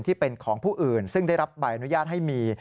ที่เป็นของผู้อื่นซึ่งได้รับใบอนุญาตให้มี